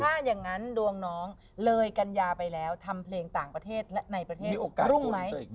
ถ้าอย่างนั้นดวงน้องเลยกัญญาไปแล้วทำเพลงต่างประเทศและในประเทศโอกาสรุ่งไหม